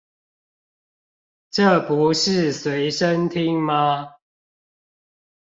這不是隨身聽嗎